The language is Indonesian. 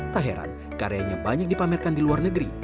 tak heran karyanya banyak dipamerkan di luar negeri